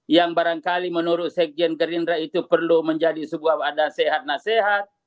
yang barangkali menurut sekjen gerindra itu perlu menjadi sebuah wadah sehat nasihat